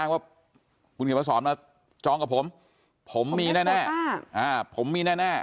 ว่าคุณเหนียวมาสอนมาจ้องกับผมผมมีแน่